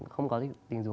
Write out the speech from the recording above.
không có tình dục